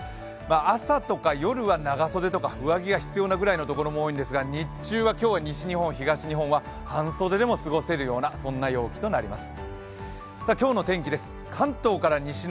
朝とか夜は長袖とか上着が必要なところが多いんですが日中は今日は西日本、東日本は半袖でも過ごせるような、そんな陽気となります。